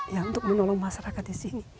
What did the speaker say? ya untuk menolong masyarakat di sini